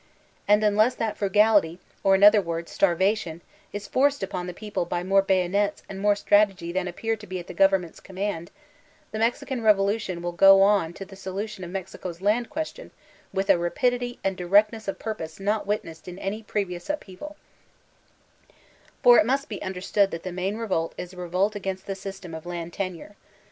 And un less that frugality, or m other words, starvation, is forced upon the people by more bayonets and more stfatq gp than appear to be at the government's command, die Mexican revolution will go on to the solution of Mexico's land question with a rapidity and directness of purpoae not witnessed in any previous upheaval For it must be understood that the main revolt is a revolt against the system of land tenure.